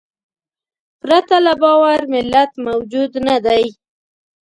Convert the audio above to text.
پرته له باور ملت موجود نهدی.